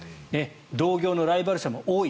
同業のライバル社も多い。